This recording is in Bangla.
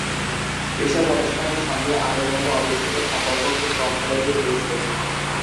এসব অনুষ্ঠানের সঙ্গে আমের মতো অবিচ্ছেদ্য সম্পর্ক খুব কম ফলেরই রয়েছে।